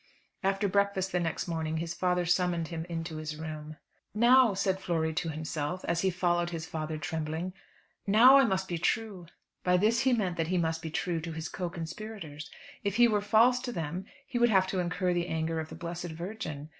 After breakfast the next morning, his father summoned him into his room. "Now," said Flory to himself, as he followed his father trembling, "now must I be true." By this he meant that he must be true to his co conspirators. If he were false to them, he would have to incur the anger of the Blessed Virgin.